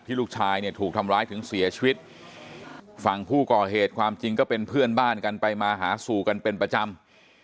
ลูกชายเนี่ยถูกทำร้ายถึงเสียชีวิตฝั่งผู้ก่อเหตุความจริงก็เป็นเพื่อนบ้านกันไปมาหาสู่กันเป็นประจำ